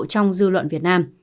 trong dư luận việt nam